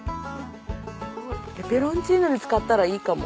ペペロンチーノに使ったらいいかも。